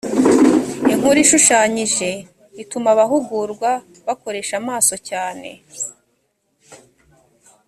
inkuru ishushanyije ituma abahugurwa bakoresha amaso cyane